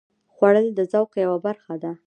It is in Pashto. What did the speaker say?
خوړل د ذوق یوه برخه ده